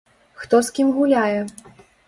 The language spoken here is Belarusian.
Хто з кім гуляе?